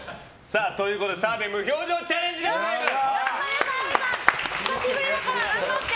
澤部無表情チャレンジでございます！